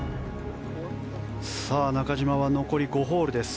中島、残り５ホールです。